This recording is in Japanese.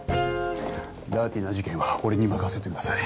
ダーティーな事件は俺に任せてください。